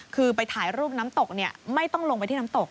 คือไปถ่ายรูปน้ำตกไม่ต้องลงไปที่น้ำตก